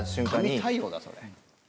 神対応だそれ。